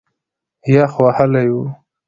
یخ وهلی و.